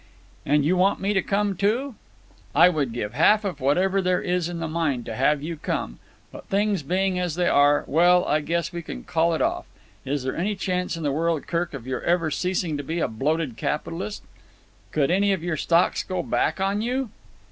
"And you want me to come, too?" "I would give half of whatever there is in the mine to have you come. But things being as they are, well, I guess we can call it off. Is there any chance in the world, Kirk, of your ever ceasing to be a bloated capitalist? Could any of your stocks go back on you?"